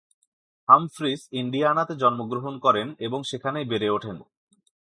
Humphreys ইন্ডিয়ানাতে জন্মগ্রহণ করেন এবং সেখানেই বেড়ে ওঠেন।